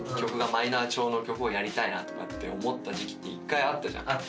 マイナー調の曲をやりたいなとかって思った時期って１回あったじゃん。